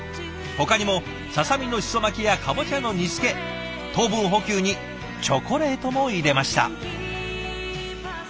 ほかにもささみのシソ巻きやかぼちゃの煮つけ糖分補給にチョコレートも入れました。